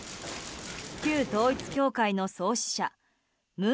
旧統一教会の創始者文